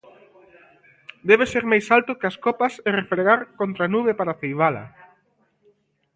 Debe ser máis alto que as copas e refregar contra a nube para ceibala.